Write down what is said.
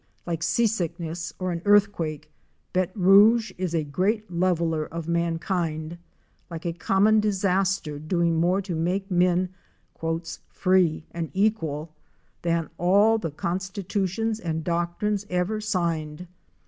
Like sea sickness or an earthquake, béte rouge is a great leveller of mankind, like a common disaster doing more to make men "' free and equal" than all the constitutions and doctrines ever signed.